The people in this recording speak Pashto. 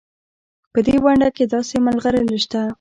په دې ونډه کې داسې ملغلرې شته.